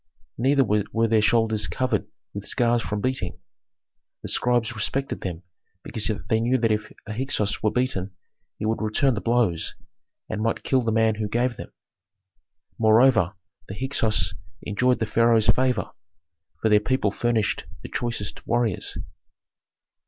Neither were their shoulders covered with scars from beating; the scribes respected them because they knew that if a Hyksos were beaten he would return the blows, and might kill the man who gave them. Moreover the Hyksos enjoyed the pharaoh's favor, for their people furnished the choicest warriors.